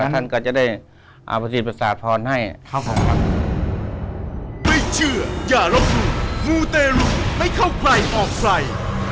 ท่านก็จะได้อาภาษีปราศาจพรภ์ให้